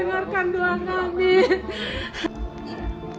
terima kasih tuhan amin